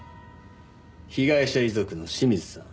被害者遺族の清水さん。